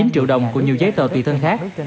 ba chín triệu đồng của nhiều giấy tờ tùy thân khác